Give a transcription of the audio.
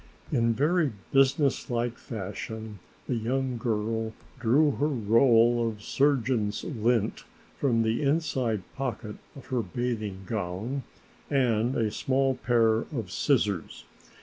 In a very business like fashion the young girl drew her roll of surgeon's lint from an inside pocket of her bathing gown and a small pair of scissors.